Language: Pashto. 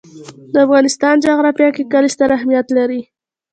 د افغانستان جغرافیه کې کلي ستر اهمیت لري.